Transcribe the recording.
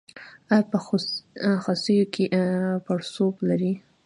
ایا په خصیو کې پړسوب لرئ؟